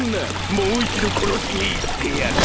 もう一度殺しに行ってやる。